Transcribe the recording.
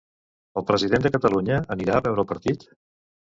El president de Catalunya anirà a veure el partit?